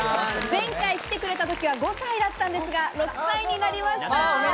前回来てくれた時は５歳だったんですが、６歳になりました。